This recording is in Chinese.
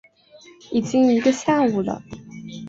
已经一个下午了